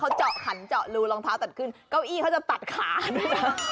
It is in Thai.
เขาเจาะขันเจาะรูรองเท้าตัดขึ้นเก้าอี้เขาจะตัดขาด้วยนะจ๊ะ